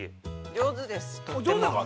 ◆上手ですか。